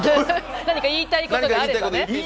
何か言いたいことがあるなら。